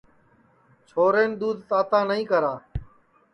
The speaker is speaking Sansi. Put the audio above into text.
چھورین دؔودھ تاتا نائی کرا